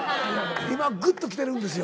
今ぐっときてるんですよ。